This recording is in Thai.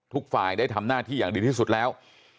ทุกฝ่ายได้ทำหน้าที่อย่างดีที่สุดแล้ว